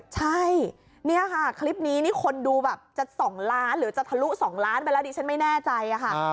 ใช่นี่ค่ะคลิปนี้นี่คนดูแบบจะ๒ล้านหรือจะทะลุ๒ล้านไปแล้วดิฉันไม่แน่ใจค่ะ